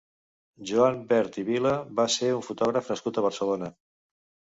Joan Bert i Vila va ser un fotògraf nascut a Barcelona.